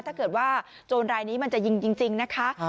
ถ้าเกิดว่าโจรรายนี้มันจะยิงจริงนะคะ